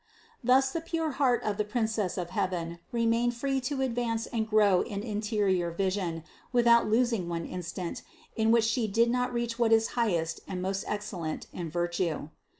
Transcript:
Thus the pure heart of the Princess of heaven remained free to advance and grow in interior vision, without losing one instant, in which She did not reach what is highest and most excellent in virtue.